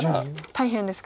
大変ですか。